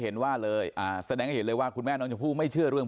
นั่งนั่งนั่งนั่งนั่งนั่งนั่งนั่งนั่งนั่งนั่งนั่งนั่งนั่งนั่ง